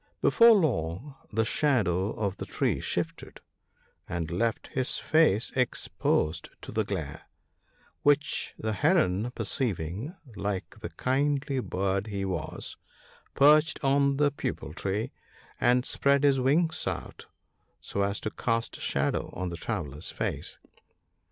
Before long the shadow of the tree shifted, and left his face exposed to the glare ; which the Heron perceiving, like the kindly bird he was, perched on the Peepul tree, and spread his wings out so as to cast a shadow on the traveller's face.